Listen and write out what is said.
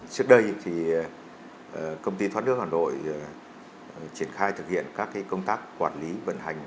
trước đây thì công ty thoát nước hà nội triển khai thực hiện các công tác quản lý vận hành